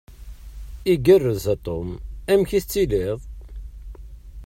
Igerrez a Tom? Amek i tettiliḍ?